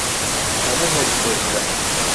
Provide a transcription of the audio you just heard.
هەموو هەوڵی خۆت بدە!